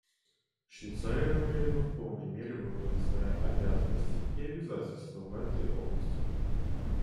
Швейцария намерена в полной мере выполнить свои обязанности и обязательства в этой области.